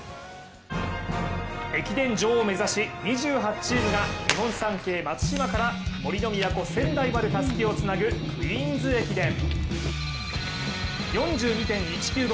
駅伝女王を目指し２８チームが日本三景・松島から杜の都・仙台までたすきをつなぐクイーンズ駅伝。４２．１９５